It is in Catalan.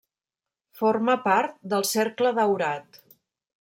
Forma part del Cercle Daurat.